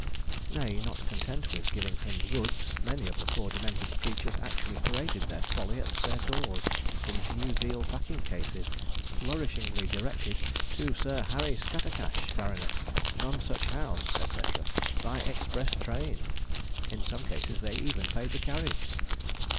Nay, not content with giving him the goods, many of the poor demented creatures actually paraded their folly at their doors in new deal packing cases, flourishingly directed 'TO SIR HARRY SCATTERCASH, BART., NONSUCH HOUSE, &c. By Express Train.' In some cases they even paid the carriage.